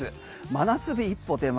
真夏日一歩手前。